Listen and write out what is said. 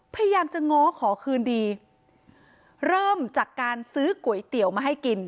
พยายามจะง้อขอคืนดีเริ่มจากการซื้อก๋วยเตี๋ยวมาให้กิน